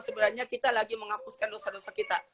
sebenarnya kita lagi menghapuskan dosa dosa kita